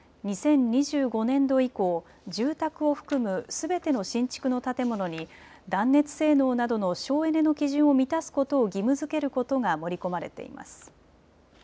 ２０２５年度以降、住宅を含むすべての新築の建物に断熱性能などの省エネの基準を満たすことを義務づけることが盛り込まれています。